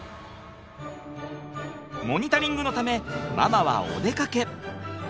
モニタリングのためママはお出かけ。